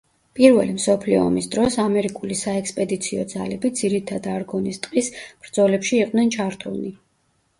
პირველი მსოფლიო ომის დროს ამერიკული საექსპედიციო ძალები ძირითად არგონის ტყის ბრძოლებში იყვნენ ჩართულნი.